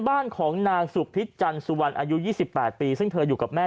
บ้านของนางสุพิษจันสุวรรณอายุ๒๘ปีซึ่งเธออยู่กับแม่